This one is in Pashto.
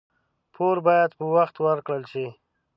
پور باید په وخت ورکړل شي.